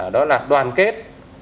đó là đoàn kết